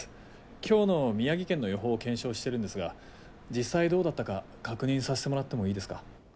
今日の宮城県の予報を検証してるんですが実際どうだったか確認させてもらってもいいですか？